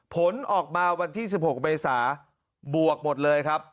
ผลออกมาวันที่๑๖เมษาบวกหมดเลยครับ